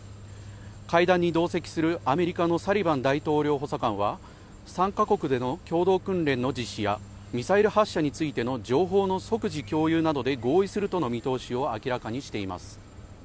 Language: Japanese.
会談に同席するアメリカのサリバン大統領補佐官は、３か国での共同訓練の実施やミサイル発射についての情報の即時共有などで合意するとの見通しを明らかにしています。